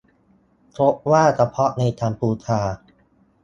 พบว่าเฉพาะในกัมพูชา